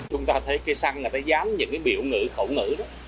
chúng ta thấy cái xăng người ta dán những cái biểu ngữ khẩu ngữ đó